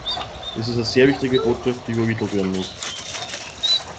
Das ist eine sehr wichtige Botschaft, die übermittelt werden muss.